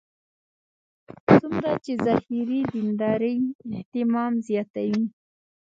څومره چې ظاهري دیندارۍ اهتمام زیاتوي.